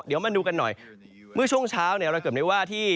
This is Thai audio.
เดี๋ยวมาดูกันหน่อยเมื่อช่วงเช้าเนี่ยเราเกิดได้ว่าที่